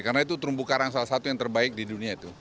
karena itu terumbu karang salah satu yang terbaik di dunia itu